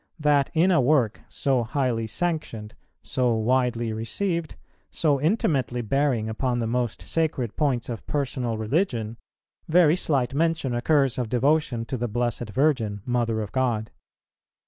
that in a work so highly sanctioned, so widely received, so intimately bearing upon the most sacred points of personal religion, very slight mention occurs of devotion to the Blessed Virgin, Mother of God.